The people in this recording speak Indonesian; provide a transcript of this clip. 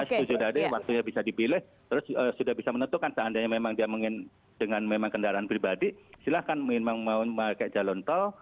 dan setujuh dari waktunya bisa dibilih terus sudah bisa menentukan seandainya memang dia mengingat dengan kendaraan pribadi silahkan memang memakai jalan tol